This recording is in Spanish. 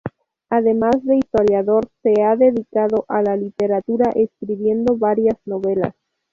Además de historiador, se ha dedicado a la literatura escribiendo varias novelas.